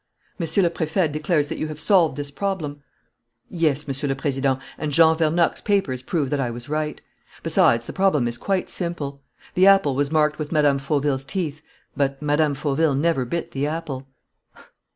Monsieur le Préfet declares that you have solved this problem." "Yes, Monsieur le Président, and Jean Vernocq's papers prove that I was right. Besides, the problem is quite simple. The apple was marked with Mme. Fauville's teeth, but Mme. Fauville never bit the apple."